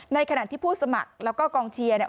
ในขณะที่ผู้สมัครแล้วก็กองเชียร์เนี่ย